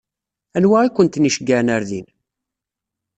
Anwa i kent-iceyyɛen ɣer din?